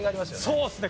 そうですね。